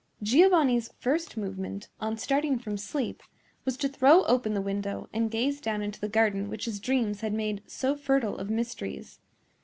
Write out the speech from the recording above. Giovanni's first movement, on starting from sleep, was to throw open the window and gaze down into the garden which his dreams had made so fertile of mysteries.